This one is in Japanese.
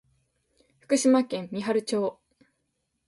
福島県三春町